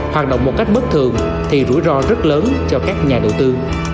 hoạt động một cách bất thường thì rủi ro rất lớn cho các nhà đầu tư